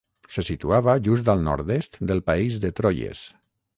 Se situava just al nord-est del país de Troyes.